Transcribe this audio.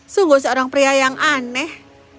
sungguh seorang pria yang aneh